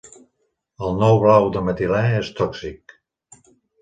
El nou blau de metilè és tòxic.